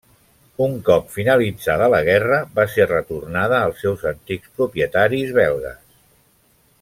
Un cop finalitzada la guerra va ser retornada als seus antics propietaris belgues.